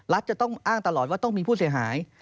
จะต้องอ้างตลอดว่าต้องมีผู้เสียหาย